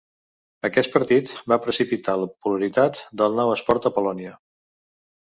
Aquest partit va precipitar la popularitat del nou esport a Polònia.